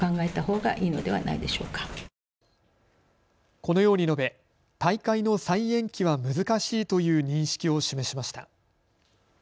このように述べ大会の再延期は難しいという認識を示しました。